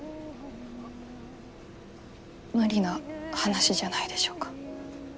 無理な話じゃないでしょうか。